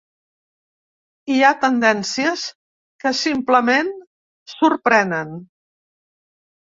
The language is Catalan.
Hi ha tendències que, simplement, sorprenen.